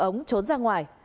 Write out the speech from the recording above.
ống trốn ra ngoài